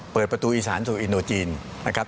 เปิดประตูอีสานสู่อินโนจีนนะครับ